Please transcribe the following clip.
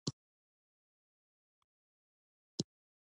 ګاونډیانو دا حق دی چې بدي تجربه نه کړي.